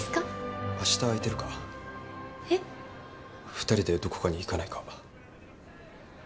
２人でどこかに行かないか？